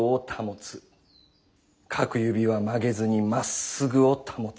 各指は曲げずに真っ直ぐを保つ。